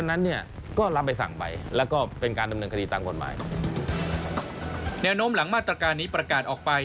แนวโน้มหลังมาตรการนี้ประกาศออกไป